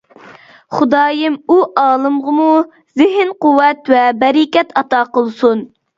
خۇدايىم ئۇ ئالىمغىمۇ زېھىن قۇۋۋەت ۋە بەرىكەت ئاتا قىلسۇن.